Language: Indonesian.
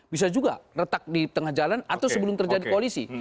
bisa juga retak di tengah jalan atau sebelum terjadi koalisi